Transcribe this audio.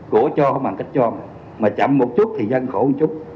của cho không bằng cách cho mà chậm một chút thì dân khổ một chút